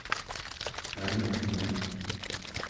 kanevneq